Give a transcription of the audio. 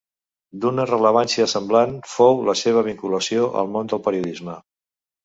D'una rellevància semblant fou la seva vinculació al món del periodisme.